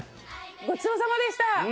ごちそうさまでした！